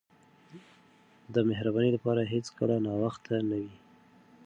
د مهربانۍ لپاره هیڅکله ناوخته نه وي.